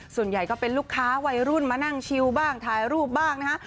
ส่วนใหญ่ก็เป็นลูกค้าวัยรุ่นมานั่งชิวบ้างถ่ายรูปบ้างนะฮะ